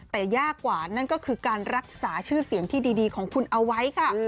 แต่ยากกว่านั่นก็คือการรักษาชื่อเสียงที่ดีของคุณเอาไว้ค่ะ